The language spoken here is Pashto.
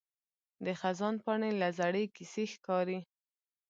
د خزان پاڼې لکه زړې کیسې ښکاري